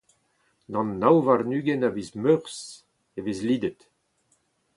D'an nav warn-ugent a viz Meurzh e vez lidet.